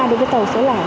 đối với tàu số lẻ